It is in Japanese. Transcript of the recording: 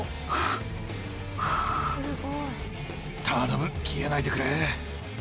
頼む消えないでくれ。